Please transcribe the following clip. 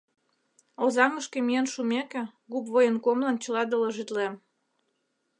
Озаҥышке миен шумеке, Губвоенкомлан чыла доложитлем.